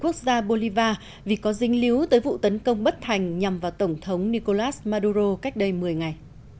quốc gia bolivar vì có dinh líu tới vụ tấn công bất thành nhằm vào tổng thống nicolas maduro cách đây một mươi ngày